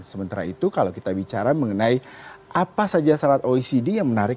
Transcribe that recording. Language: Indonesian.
sementara itu kalau kita bicara mengenai apa saja syarat oecd yang menarik